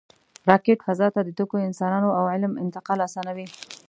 راکټ فضا ته د توکو، انسانانو او علم انتقال آسانوي